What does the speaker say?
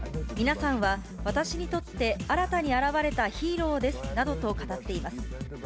皆さんは、私にとって新たに現れたヒーローですなどと語っています。